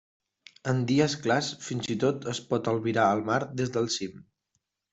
En dies clars fins i tot es pot albirar el mar des del cim.